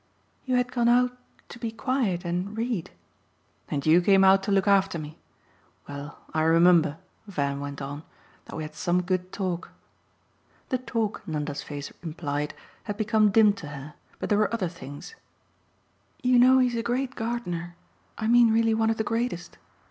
"You had gone out to be quiet and read !" "And you came out to look after me. Well, I remember," Van went on, "that we had some good talk." The talk, Nanda's face implied, had become dim to her; but there were other things. "You know he's a great gardener I mean really one of the greatest.